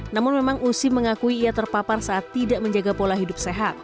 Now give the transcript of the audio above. namun memang usi mengakui ia terpapar saat tidak menjaga pola hidup sehat